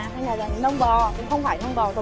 không phải là nông bò không phải là người rồi